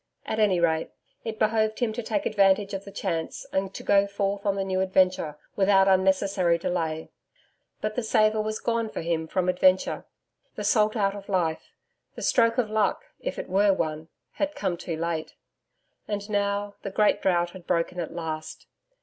At any rate, it behoved him to take advantage of the chance and to go forth on the new adventure without unnecessary delay. But the savour was gone for him from adventure the salt out of life. The stroke of luck if it were one had come too late. And now the Great Drought had broken at last.